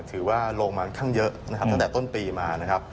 ถือว่าลงมาค่างเยอะตั้งแต่ต้นปีมา